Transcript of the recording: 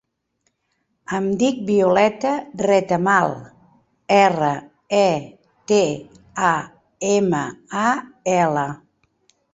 Em dic Violeta Retamal: erra, e, te, a, ema, a, ela.